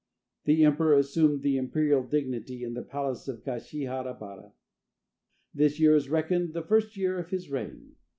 The emperor assumed the imperial dignity in the palace of Kashiha bara. This year is reckoned the first year of his reign.